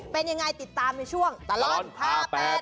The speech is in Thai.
เป็นยังไงติดตามในช่วงตลอดพาแปด